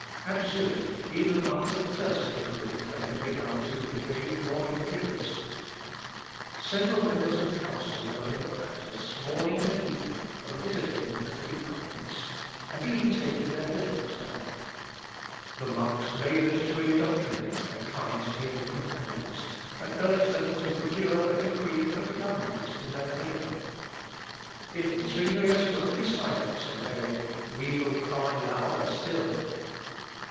At Zurich, even after the first decree, they had begun to behave more imperiously. Several members of council were in the practice, morning and evening, of visiting the three convents, and even taking their victuals there. The monks laboured to indoctrinate their kind table companions, and urged them to procure a decree of the government in their favour. "If Zuinglius won't be silent," said they, "we will cry louder still!"